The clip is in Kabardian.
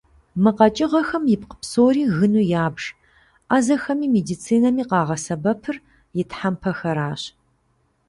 Мы къэкӏыгъэм ипкъ псори гыну ябж, ӏэзэхэми медицинэми къагъэсэбэпыр и тхьэмпэхэращ.